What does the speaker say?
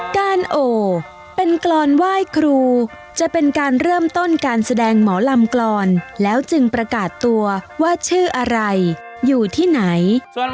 โอเป็นกรอนไหว้ครูจะเป็นการเริ่มต้นการแสดงหมอลำกรอนแล้วจึงประกาศตัวว่าชื่ออะไรอยู่ที่ไหน